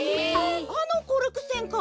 あのコルクせんか。